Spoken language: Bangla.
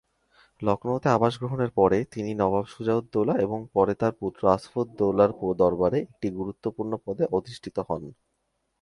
লখনউতে আবাস গ্রহণের পরে, তিনি নবাব সুজা-উদ-দৌলা এবং পরে তাঁর পুত্র আসফ-উদ-দৌলার দরবারে একটি গুরুত্বপূর্ণ পদে অধিষ্ঠিত হন।